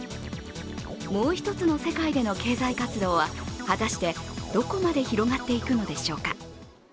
もう一つの世界での経済活動は果たしてどこまで広がっていくのでしょうか。